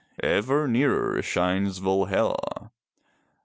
Ever nearer shines Valhalla.